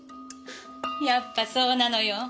やっぱそうなのよ。